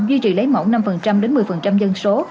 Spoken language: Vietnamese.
duy trì lấy mẫu năm đến một mươi dân số